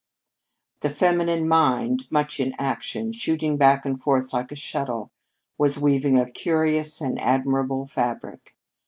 The Feminine mind, much in action, shooting back and forth like a shuttle, was weaving a curious and admirable fabric.